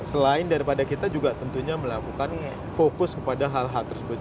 selain daripada kita juga tentunya melakukan fokus kepada hal hal tersebut